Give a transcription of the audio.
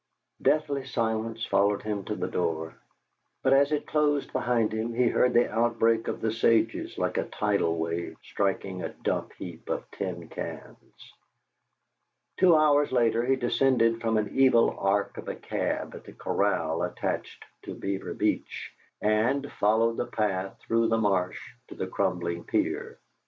Deathly silence followed him to the door, but, as it closed behind him, he heard the outbreak of the sages like a tidal wave striking a dump heap of tin cans. Two hours later he descended from an evil ark of a cab at the corral attached to Beaver Beach, and followed the path through the marsh to the crumbling pier.